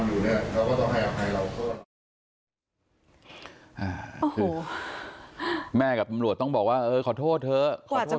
คือแม่กับปรอบบ่อยต้องบอกว่าขอโทษเถอะ